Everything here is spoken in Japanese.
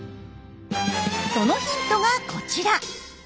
そのヒントがこちら。